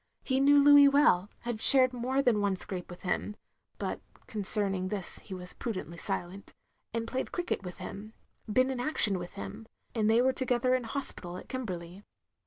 He knew Louis well — had shared more than one scrape with him (but concerning this he was prudently silent) — ^and played cricket with him — ^been in action with him — ^and they were to gether in hospital at Kimberley.